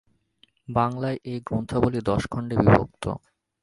বাংলায় এই গ্রন্থাবলী দশ খণ্ডে বিভক্ত।